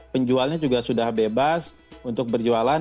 penjualnya juga sudah bebas untuk berjualan